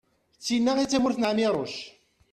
d tin-a i d tamurt n ԑmiruc